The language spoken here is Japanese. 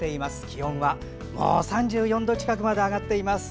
気温はもう３４度近くまで上がっています。